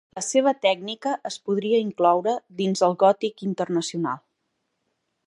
La seva tècnica es podria incloure dins el gòtic internacional.